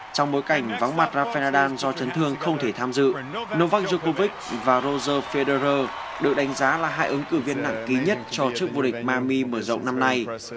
trong bối cảnh vắng mặt rafael nadal do chấn thương không thể tham dự novak djokovic và roger federer được đánh giá là hai ứng cử viên nặng ký nhất cho chức vô địch miami mở rộng năm nay